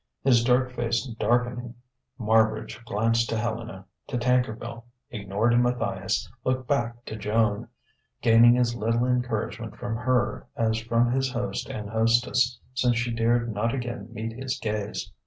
His dark face darkening, Marbridge glanced to Helena, to Tankerville, ignored Matthias, looked back to Joan: gaining as little encouragement from her, as from his host and hostess, since she dared not again meet his gaze.